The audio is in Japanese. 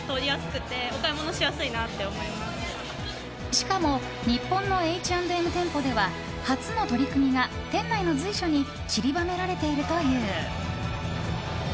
しかも日本のＨ＆Ｍ店舗では初の取り組みが店内の随所に散りばめられているという。